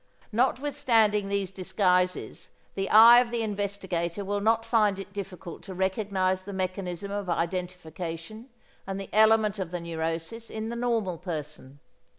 Notwithstanding these disguises the eye of the investigator will not find it difficult to recognize the mechanism of identification and the element of the neurosis in the normal person.